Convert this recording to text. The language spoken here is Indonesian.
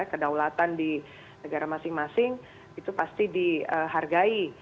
kedaulatan di negara masing masing itu pasti dihargai